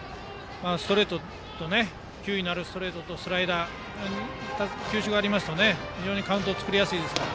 球威のあるストレートとスライダーの球種がありますとカウントが作りやすいですから。